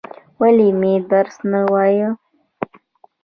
ولې مې درس نه وایل؟